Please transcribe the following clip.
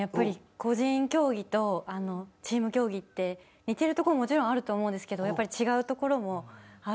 個人競技とチーム競技って似てるとこももちろんあると思うんですけどやっぱり違うところもあるのかな。